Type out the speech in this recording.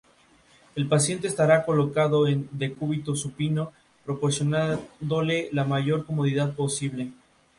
El paciente estará colocado en decúbito supino, proporcionándole la mayor comodidad posible.